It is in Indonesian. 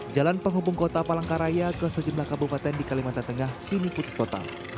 jalan penghubung kota palangkaraya ke sejumlah kabupaten di kalimantan tengah kini putus total